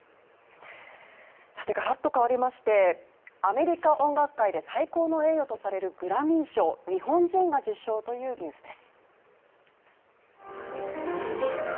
アメリカ音楽界で最高の栄誉とされるグラミー賞を日本人が受賞というニュースです。